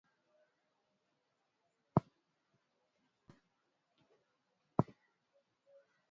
Lakini wahusika wa koo hizo upande wa tanzania walijiita waha